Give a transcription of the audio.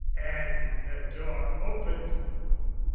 And the door Opened.